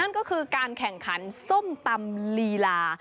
นั่นก็คือการแข่งขันส้มตำลีลา